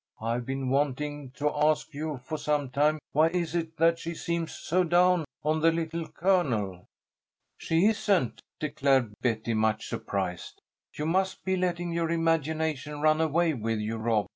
I've been wanting to ask you for some time, why is it that she seems so down on the Little Colonel?" "She isn't!" declared Betty, much surprised. "You must be letting your imagination run away with you, Rob.